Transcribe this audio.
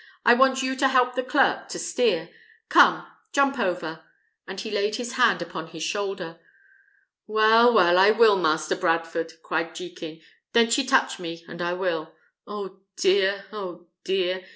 I want you to help the clerk to steer. Come, jump over!" and he laid his hand upon his shoulder. "Well, well; I will, Master Bradford," cried Jekin, "don't ye touch me, and I will. Oh dear! oh dear!